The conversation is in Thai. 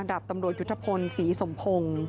ดาบตำรวจยุทธพลศรีสมพงศ์